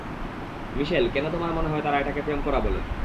মিশেল, কেন তোমার মনেহয়, তারা এটাকে প্রেম করা বলে?